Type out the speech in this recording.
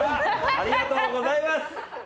ありがとうございます。